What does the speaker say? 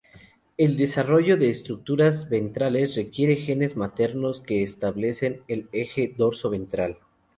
El desarrollo de estructuras ventrales requiere genes maternos que establecen el eje dorso-ventral.